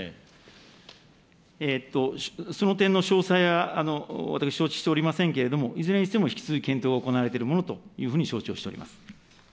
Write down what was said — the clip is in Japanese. その点の詳細は、私、承知しておりませんけれども、いずれにしても引き続き検討が行われているものというふうに承知をしております。